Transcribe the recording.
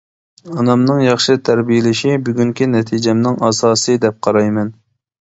ئانامنىڭ ياخشى تەربىيەلىشى بۈگۈنكى نەتىجەمنىڭ ئاساسى دەپ قارايمەن.